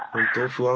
不安